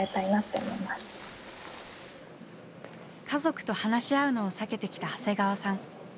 家族と話し合うのを避けてきた長谷川さん。